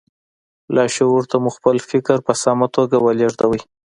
لاشعور ته مو خپل فکر په سمه توګه ولېږدوئ